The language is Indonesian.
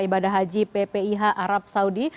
ibadah haji ppih arab saudi